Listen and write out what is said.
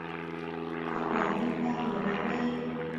Họ bỏ anh ta ở lại đây